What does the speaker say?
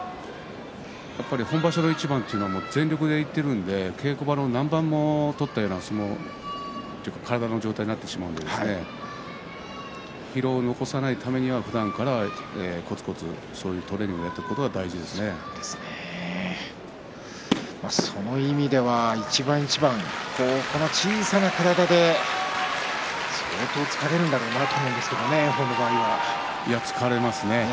本場所の一番というのを全力でいっているので稽古場の何番も取ったような相撲そういう体の状態になるので疲労を残さないためにはふだんから、こつこつとそういうトレーニングをやってそういう意味では一番一番この小さな体で相当疲れるんだろうなと疲れますね。